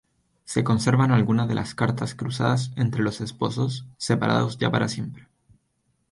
Se conservan algunas de las cartas cruzadas entre los esposos, separados ya para siempre.